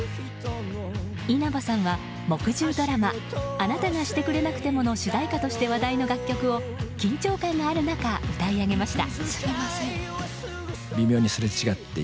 稲葉さんは木１０ドラマ「あなたがしてくれなくても」の主題歌として話題の楽曲を緊張感がある中、歌い上げました。